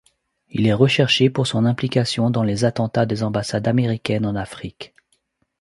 Il est recherché pour son implication dans les Attentats des ambassades américaines en Afrique.